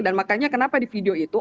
dan makanya kenapa di video itu